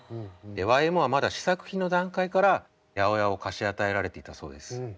ＹＭＯはまだ試作品の段階から８０８を貸し与えられていたそうです。